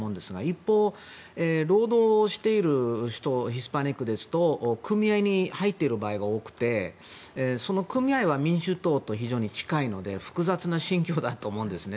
一方、労働している人ヒスパニックですと組合に入っている場合が多くてその組合は民主党と非常に近いので複雑な心境だと思うんですね。